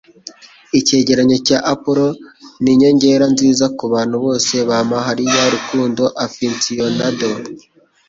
Icyegeranyo cya Apollo ninyongera nziza kubantu bose ba Mahalia Rukundo aficionado